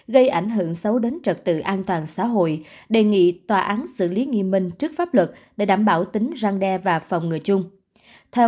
gây ảnh hưởng xấu đến trật tự